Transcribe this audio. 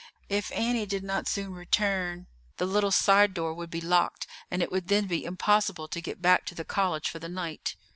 If Annie did not soon return, the little side door would be locked, and it would then be impossible to get back to the college for the night.